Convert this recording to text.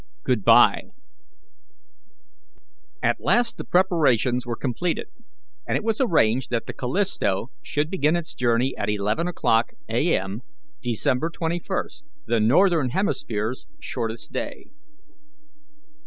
GOOD BYE. At last the preparations were completed, and it was arranged that the Callisto should begin its journey at eleven o'clock A. M., December 21st the northern hemisphere's shortest day.